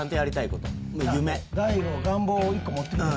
大悟が願望を１個持って来てるんだ。